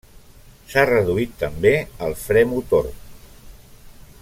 S'ha reduït també el fre motor.